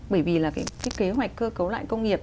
bởi vì là cái kế hoạch cơ cấu lại công nghiệp